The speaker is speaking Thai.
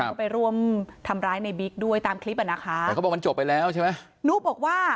ก็ไปร่วมทำร้ายในบิ๊กด้วยตามคลิปอ่ะนะคะแต่เขาบอกมันจบไปแล้วใช่ไหมนุบอกว่า